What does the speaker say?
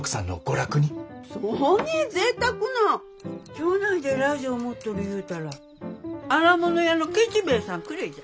町内でラジオ持っとるいうたら荒物屋のケチ兵衛さんくれえじゃ。